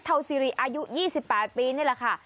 ซีรีอายุ๒๘ปีนี่แหละค่ะ